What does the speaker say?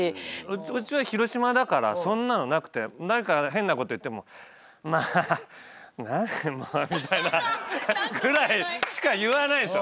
うちは広島だからそんなのなくて何か変なこと言っても「まあ何もう」みたいな。ぐらいしか言わないんですよ。